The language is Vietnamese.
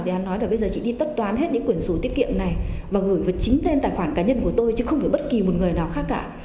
thì hà nói là bây giờ chị đi tất toán hết những quyển sổ tiết kiệm này và gửi vào chính tên tài khoản cá nhân của tôi chứ không phải bất kỳ một người nào khác cả